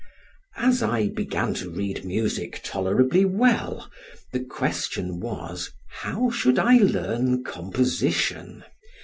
As I began to read music tolerably well, the question was, how I should learn composition?